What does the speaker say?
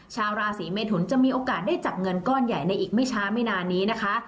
ชาวราศีเมทุนจะมีโอกาสได้จับเงินก้อนใหญ่ในอีกไม่ช้าไม่นานนี้นะคะ